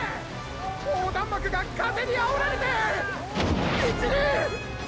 横断幕が風にあおられて道に！！